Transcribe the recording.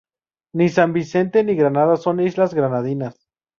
Ni San Vicente ni Granada son islas Granadinas.